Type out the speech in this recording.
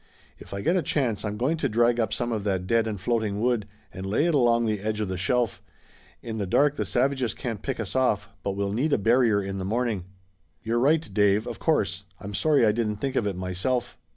"If I get a chance I'm going to drag up some of that dead and floating wood and lay it along the edge of the shelf. In the dark the savages can't pick us off, but we'll need a barrier in the morning." "You're right, Dave, of course. I'm sorry I didn't think of it myself."